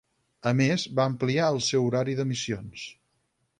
A més va ampliar el seu horari d'emissions.